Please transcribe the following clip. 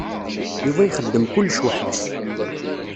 Yuba ixeddem kullec weḥd-s.